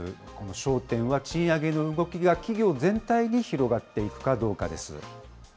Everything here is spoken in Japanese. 焦点は賃上げの動きが企業全体に広がっていくかどうかです。